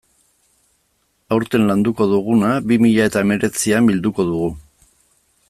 Aurten landuko duguna bi mila eta hemeretzian bilduko dugu.